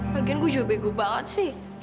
mungkin gue juga begu banget sih